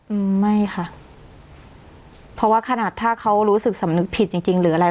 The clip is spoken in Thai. อืมไม่ค่ะเพราะว่าขนาดถ้าเขารู้สึกสำนึกผิดจริงจริงหรืออะไร